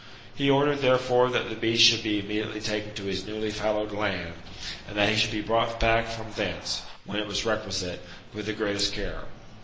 He ordered, therefore, that the beast should be immediately taken to his newly fallowed land ; and that he should be brought back from thence [when it was requisite] with the greatest care.